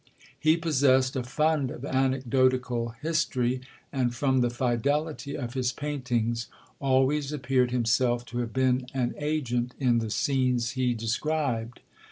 He possessed a fund of anecdotical history, and, from the fidelity of his paintings, always appeared himself to have been an agent in the scenes he described.